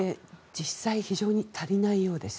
実際、非常に足りないようです。